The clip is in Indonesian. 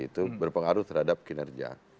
itu berpengaruh terhadap kinerja